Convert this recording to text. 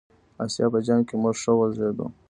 د آسیا په جام کې موږ ښه وځلیدو.